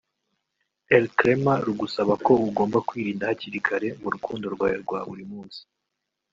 Elcrema rugusaba ko ugomba kwirinda hakiri kare mu rukundo rwawe rwa buri munsi